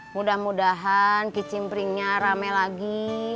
mudah mudahan kicimpringnya rame lagi